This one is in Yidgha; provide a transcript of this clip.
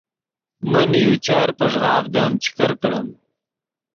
من یو چر پݱغاڤدیم چے کرکڑیم